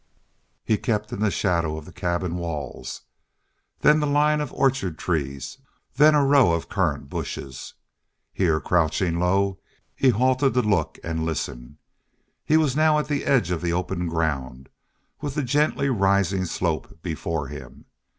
He kept in the shadow of the cabin walls, then the line of orchard trees, then a row of currant bushes. Here, crouching low, he halted to look and listen. He was now at the edge of the open ground, with the gently rising slope before him.